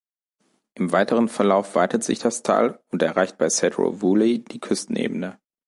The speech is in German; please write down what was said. Im weiteren Verlauf weitet sich das Tal und erreicht bei Sedro-Woolley die Küstenebene.